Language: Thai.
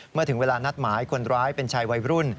เมื่อถึงเวลานัดหมายคนร้ายเป็นชายวัยรุ่น